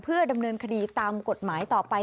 เพื่อดำเนินคดีตามกฎหมายต่อไป